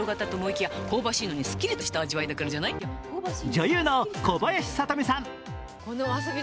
女優の小林聡美さん。